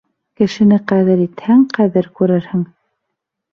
Кешене ҡәҙер итһәң, ҡәҙер күрерһең.